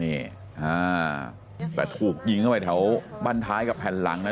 นี่อ่าแต่ถูกยิงเข้าไปแถวบ้านท้ายกับแผ่นหลังนะ